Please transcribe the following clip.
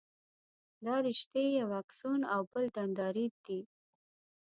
دا رشتې یو اکسون او بل دنداریت دي.